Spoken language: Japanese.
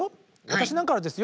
私なんかはですよ